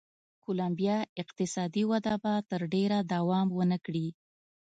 کولمبیا اقتصادي وده به تر ډېره دوام و نه کړي.